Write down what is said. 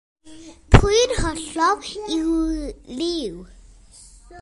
Pwy yn hollol yw Liw?